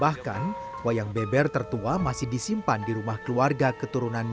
bahkan wayang beber tertua masih disimpan di rumah keluarga keturunannya